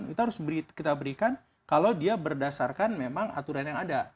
itu harus kita berikan kalau dia berdasarkan memang aturan yang ada